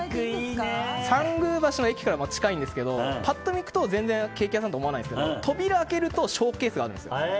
参宮橋の駅から近いんですけどパッと見、行くとケーキ屋さんと思わないんですけど扉を開けるとショーケースがあるんですよ。